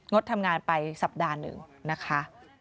ดทำงานไปสัปดาห์หนึ่งนะคะ